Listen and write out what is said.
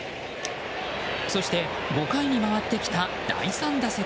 そして、５回に回ってきた第３打席。